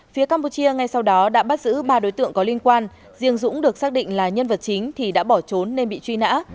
phía campuchia ngay sau đó đã bắt giữ ba đối tượng có liên quan riêng dũng được xác định là nhân vật chính thì đã bỏ trốn nên bị truy nã